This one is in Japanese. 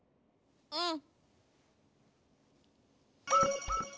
うん！